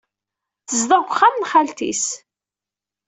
Tezdeɣ deg uxxam n xalti-s.